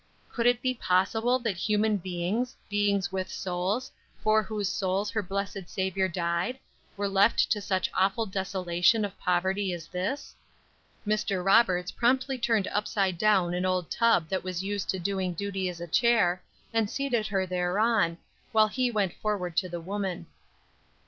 Could it be possible that human beings, beings with souls, for whose souls her blessed Saviour died, were left to such awful desolation of poverty as this! Mr. Roberts promptly turned upside down an old tub that was used to doing duty as a chair, and seated her thereon, while he went forward to the woman.